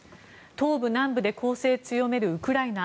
東部、南部で攻勢強めるウクライナ。